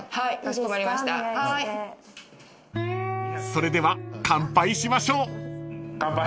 ［それでは乾杯しましょう］乾杯。